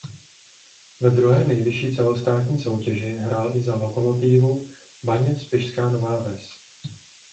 Ve druhé nejvyšší celostátní soutěži hrál i za Lokomotívu Bane Spišská Nová Ves.